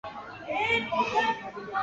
这种保护机制常被弱小者所用。